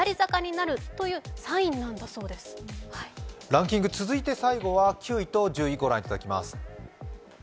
ランキング、続いて最後は９位と１０位ご覧いただきます。